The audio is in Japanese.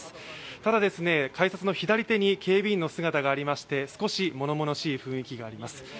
ただ、改札の左手に警備員の姿がありまして、少しものものしい雰囲気があります。